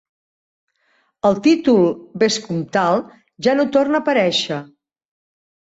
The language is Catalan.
El títol vescomtal ja no torna a aparèixer.